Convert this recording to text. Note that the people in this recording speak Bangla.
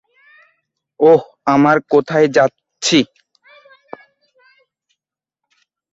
ওহ, আমরা কোথায় যাচ্ছি?